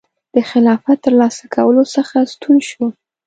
د خلافت ترلاسه کولو څخه ستون شو.